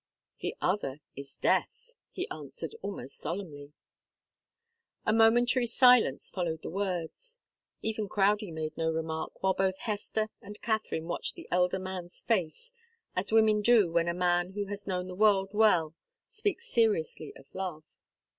"The other is death," he answered, almost solemnly. A momentary silence followed the words. Even Crowdie made no remark, while both Hester and Katharine watched the elder man's face, as women do when a man who has known the world well speaks seriously of love.